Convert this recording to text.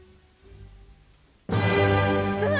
うわ！